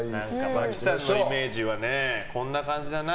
真木さんのイメージはこんな感じだな。